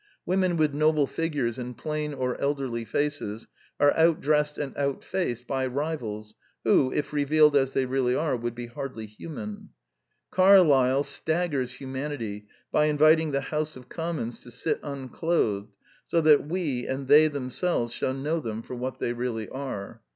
Women with noble figures and plain or elderly faces are outdressed and outfaced by rivals who, if revealed as they really are, would be hardly human. Carlyle staggers humanity by inviting the House of Commons to sit unclothed, so that we, and they themselves, shall know them for what they really are.